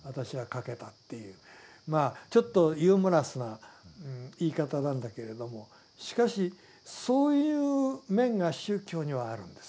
まあちょっとユーモラスな言い方なんだけれどもしかしそういう面が宗教にはあるんですよ。